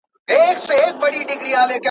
زه مخکي سپينکۍ مينځلي وو!